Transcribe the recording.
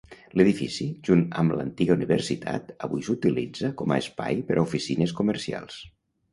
L'edifici, junt amb l'antiga universitat, avui s'utilitza com a espai per a oficines comercials.